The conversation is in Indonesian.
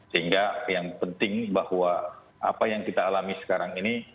sehingga yang penting bahwa apa yang kita alami sekarang ini